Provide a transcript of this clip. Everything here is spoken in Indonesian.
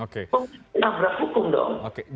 kita berat hukum dong